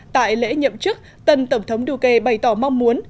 tại lễ nhậm chức tân tổng thống duque bày tỏ mong muốn